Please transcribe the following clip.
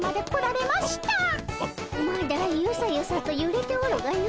まだユサユサとゆれておるがの。